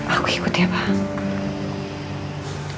aku ikut ya bang